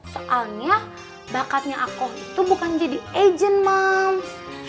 soalnya bakatnya aku itu bukan jadi agent moms